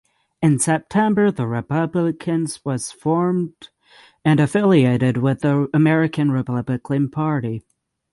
In September the Republicans was formed and affiliated with the American Republican Party.